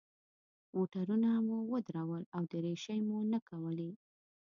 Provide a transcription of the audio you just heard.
موټرونه مو ودرول او دریشۍ مو نه کولې.